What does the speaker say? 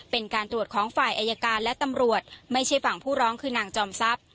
เป็นการตรวจของฝ่ายอายการและตำรวจไม่ใช่ฝั่งผู้ร้องคือนางจอมทรัพย์